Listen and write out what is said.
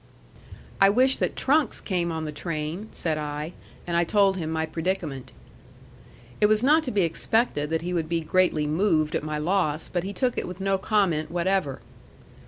"I wish that trunks came on the train," said I. And I told him my predicament. It was not to be expected that he would be greatly moved at my loss; but he took it with no comment whatever.